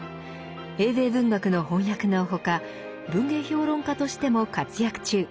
英米文学の翻訳の他文芸評論家としても活躍中。